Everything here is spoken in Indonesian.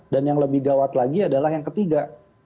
dan yang lebih gawat lagi adalah yang ketiga